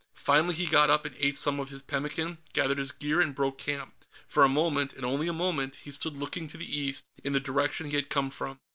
Finally, he got up and ate some of his pemmican, gathered his gear and broke camp. For a moment, and only a moment, he stood looking to the east, in the direction he had come from.